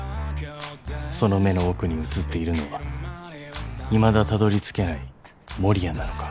［その目の奥に映っているのはいまだたどりつけない守谷なのか］